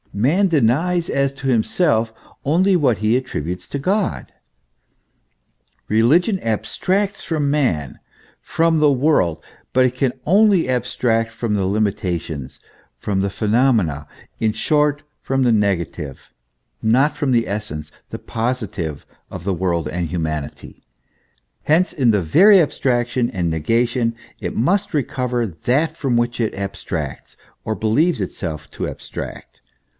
Man denies as to himself only what he attributes to God. Eeligion abstracts from man, from the world ; but it can only abstract from the limitations, from the phenomena, in short, from the negative, not from the essence, the positive, of the world and humanity: hence, in the very abstraction and negation it must recover that from which it abstracts, or believes itself to abstract.